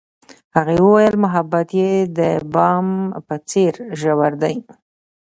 هغې وویل محبت یې د بام په څېر ژور دی.